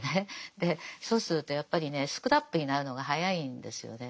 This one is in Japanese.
でそうするとやっぱりねスクラップになるのが早いんですよね。